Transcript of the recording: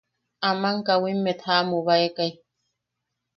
Aman kawimmet jaʼamubaekai.